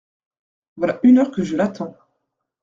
Voilà une heure que je l’attends…